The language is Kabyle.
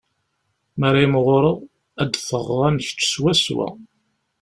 Mi ara imɣureɣ, ad d-ffɣeɣ am kečč swaswa.